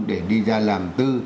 để đi ra làm tư